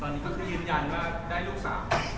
ตอนนี้ก็คือยืนยันว่าได้ลูกสาว